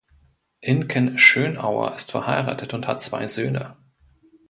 Inken Schönauer ist verheiratet und hat zwei Söhne.